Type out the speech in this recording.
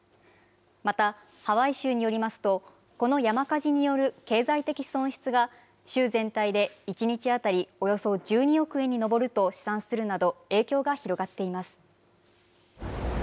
また、ハワイ州によりますと、この山火事による経済的損失は、州全体で１日当たりおよそ１２億円に上ると試算するなど、影響が広がっています。